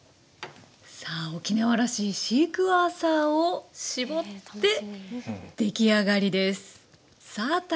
さあ沖縄らしいシークワーサーを搾って出来上がりです。